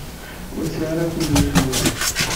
Ur sɛiɣ ara akud i usewwi.